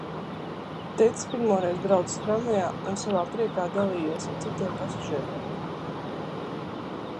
Tētis pirmoreiz braucis tramvajā un savā priekā dalījies ar citiem pasažieriem.